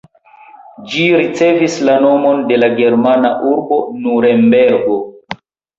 Ĝi ricevis la nomon de la germana urbo Nurenbergo.